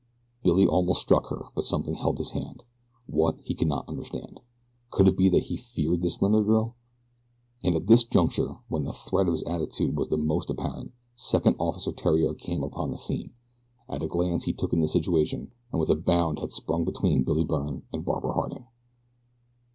Billy almost struck her; but something held his hand. What, he could not understand. Could it be that he feared this slender girl? And at this juncture, when the threat of his attitude was the most apparent, Second Officer Theriere came upon the scene. At a glance he took in the situation, and with a bound had sprung between Billy Byrne and Barbara Harding.